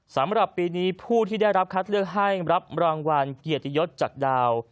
สำหรับปีนี้ผู้ที่ได้รับคัดเลือกให้รับรางวัลเกียรติยศจากดาว